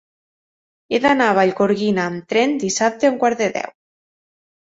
He d'anar a Vallgorguina amb tren dissabte a un quart de deu.